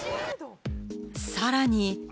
さらに。